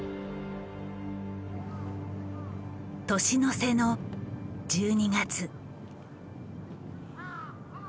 年の瀬の１２月。